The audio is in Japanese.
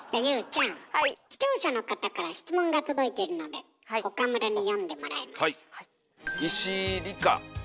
視聴者の方から質問が届いているので岡村に読んでもらいます。